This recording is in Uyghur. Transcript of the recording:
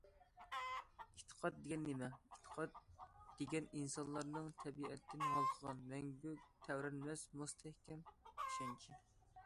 ئېتىقاد دېگەن نېمە؟ ئېتىقاد دېگەن ئىنسانلارنىڭ تەبىئەتتىن ھالقىغان، مەڭگۈ تەۋرەنمەس مۇستەھكەم ئىشەنچى.